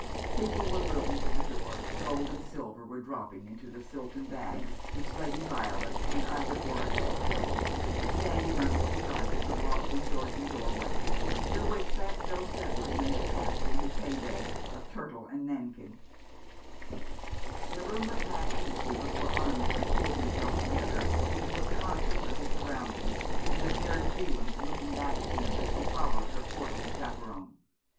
People were moving to the door, gold and silver were dropping into the silken bags which Lady Violet and Ida Borrodaile held, standing on each side of the lofty Georgian doorway, through which fat Joe Sedley may have passed in his hey day of turtle and nankin. 230 Nineteenth century Crusaders. The room was half empty before Arnold had pulled himself together and was conscious of his surroundings, and of Mary Freeland looking back at him as she followed her portly chaperon.